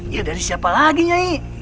ya dari siapa lagi nyanyi